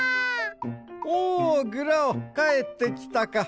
おおグラオかえってきたか。